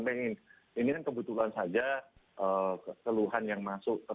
menurut saya pihak kb selalu mencari penyelenggaraan